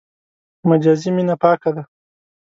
مجازي مینه پاکه ده.